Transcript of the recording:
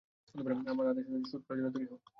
আমার আদেশ অনুযায়ী, শ্যুট করার জন্য তৈরি হও।